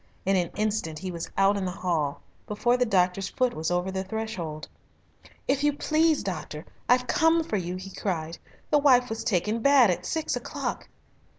In an instant he was out in the hall, before the doctor's foot was over the threshold. "If you please, doctor, I've come for you," he cried; "the wife was taken bad at six o'clock."